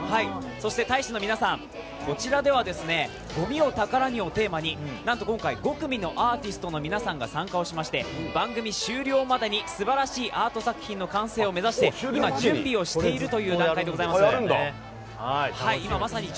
大使の皆さん、こちらでは「ごみを宝に」をテーマに、なんと今回５組のアーティストの皆さんが参加をしまして番組終了までにすばらしいアート作品の完成を目指して今、準備をしているという段階でございます。